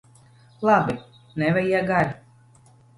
Labi! Nevajag ar'.